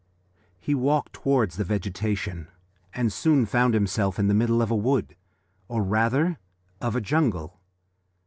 He walked towards the vegetation, and soon found himself in the middle of a wood, or rather of a jungle.